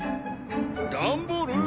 ダンボール？